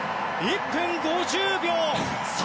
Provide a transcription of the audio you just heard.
１分５０秒３４！